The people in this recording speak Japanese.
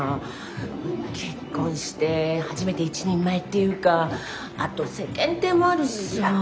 結婚して初めて一人前っていうかあと世間体もあるしさぁ。